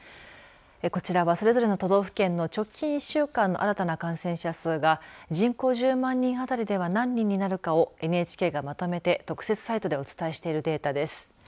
こちらは、それぞれの都道府県の直近１週間の新たな感染者数が人口１０万人あたりでは何人になるかをＮＨＫがまとめて特設サイトでお伝えしているデータです。